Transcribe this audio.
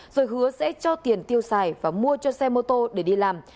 rồi hứa sẽ cho tiền tiêu xài và mua cho xe mô tô để đi làm